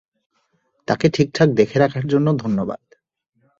তাকে ঠিকঠাক দেখে রাখার জন্য ধন্যবাদ।